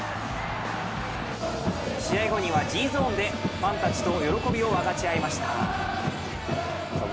試合後にはＧゾーンでファンたちと喜びを分かち合いました。